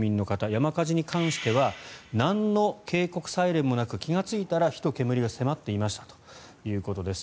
山火事に関してはなんの警告、サイレンもなく気がついたら火と煙が迫っていましたということです。